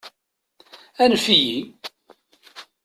Anef-iyi!